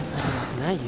ないよ